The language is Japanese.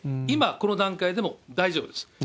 今、この段階でも大丈夫です。